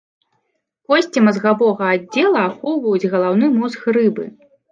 Косці мазгавога аддзела ахоўваюць галаўны мозг рыбы.